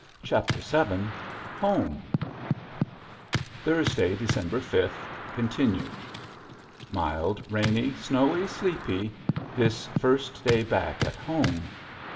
CHAPTER VII HOME Thursday, December fifth (Continued). Mild rainy, snowy, sleepy this first day back at home.